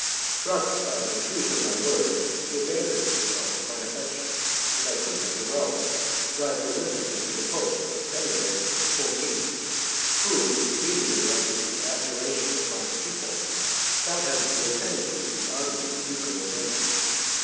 Struck by the truth of my words, he abandoned himself to my affection, and I took him to Rome, where I presented him to the Pope, Benedict XIV., who, immediately after the abjuration of my pupil got him a lieutenancy in the army of the Duke of Modena.